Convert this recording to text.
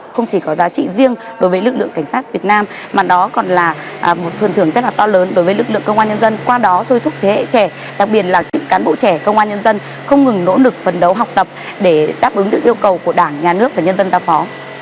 không chỉ có giá trị riêng đối với lực lượng cảnh sát việt nam mà đó còn là một phần thưởng rất là to lớn đối với lực lượng công an nhân dân qua đó thôi thúc thế hệ trẻ đặc biệt là cán bộ trẻ công an nhân dân không ngừng nỗ lực phấn đấu học tập để đáp ứng được yêu cầu của đảng nhà nước và nhân dân giao phó